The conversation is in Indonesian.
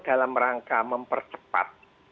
dalam rangka mempercepat